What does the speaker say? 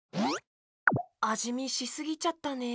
あじみしすぎちゃったね。